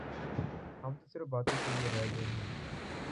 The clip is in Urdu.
ہم تو صرف باتوں کیلئے رہ گئے ہیں۔